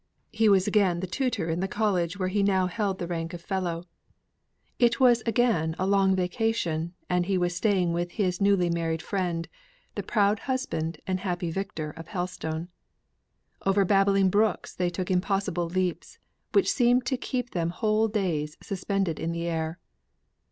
He was again the tutor in the college where he now held the rank of Fellow; it was again a long vacation, and he was staying with his newly married friend, the proud husband, and happy Vicar of Helstone. Over babbling brooks they took impossible leaps, which seemed to keep them whole days suspended in the air.